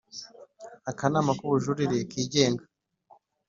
Akanama k Ubujurire Kigenga